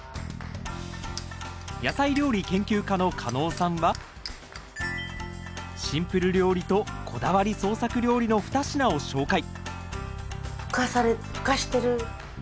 野菜料理研究家のカノウさんはシンプル料理とこだわり創作料理の二品を紹介